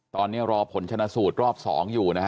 ตอนนี้รอผลชนะสูตรรอบ๒อยู่นะฮะ